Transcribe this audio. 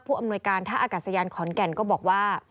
อำนวยการท่าอากาศยานขอนแก่นก็บอกว่า